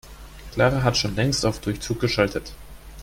Clara hat schon längst auf Durchzug geschaltet.